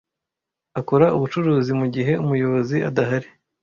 Akora ubucuruzi mugihe umuyobozi adahari.